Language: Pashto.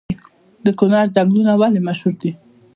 د کونړ ځنګلونه ولې مشهور دي؟